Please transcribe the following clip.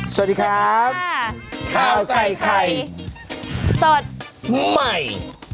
สวัสดีครับข้าวใส่ไข่สดใหม่